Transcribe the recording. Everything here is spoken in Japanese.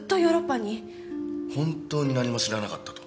本当に何も知らなかったと？